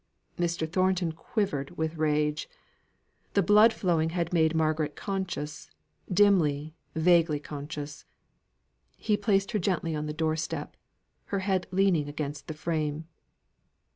Mr. Thornton quivered with rage. The blood flowing had made Margaret conscious dimly, vaguely conscious. He placed her gently on the door step, her head leaning against the frame.